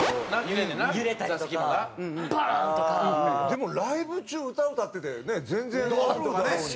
でもライブ中歌歌っててね全然あるだろうに。